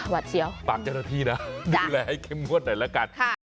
วัดเสียวปากเอ๊ะพี่นะดูแลให้เก็มวดหน่อยละกัน